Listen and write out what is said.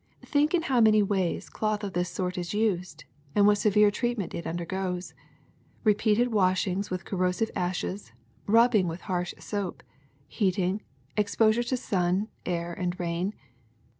Think in how many ways cloth of this sort is used, and what severe treatment it undergoes : repeated washing with cor rosive ashes, rubbing with harsh soap, heating, ex posure to sun, air, and rain.